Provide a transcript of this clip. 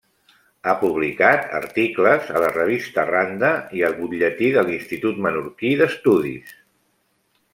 Ha publicat articles a la revista Randa i al butlletí de l'Institut Menorquí d'Estudis.